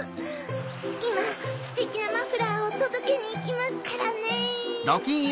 いまステキなマフラーをとどけにいきますからね。